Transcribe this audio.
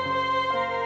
aku mau kemana